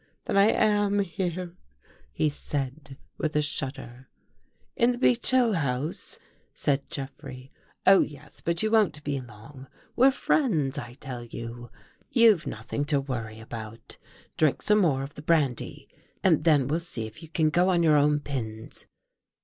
" Then I am here," he said with a shudder. " In the Beech Hill House? " said Jeffrey. " Oh, yes, but you won't be long. We're friends, I tell you. You've nothing to worry about. Drink some more of the brandy, and then we'll see if you can go on your own pins."